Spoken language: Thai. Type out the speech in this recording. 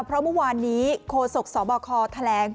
เพราะเมื่อวานนี้โคศกสบคแถลง